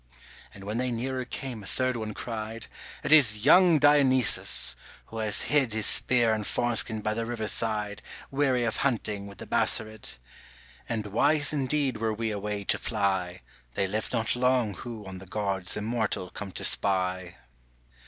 And when they nearer came a third one cried, 'It is young Dionysos who has hid His spear and fawnskin by the river side Weary of hunting with the Bassarid, And wise indeed were we away to fly: They live not long who on the gods immortal come to spy.